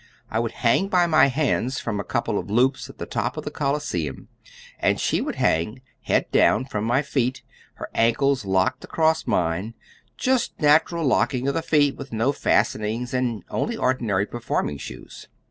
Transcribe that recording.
I would hang by my hands from a couple of loops at the top of the Coliseum, and she would hang, head down, from my feet, her ankles locked across mine, just a natural locking of the feet, with no fastenings and only ordinary performing shoes.